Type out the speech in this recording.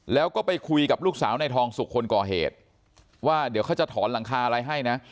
แล้วก็ไปคุยกับลูกสาวในทองสุกคนก่อเหตุว่าเดี๋ยวเขาจะถอนหลังคาอะไรให้นะ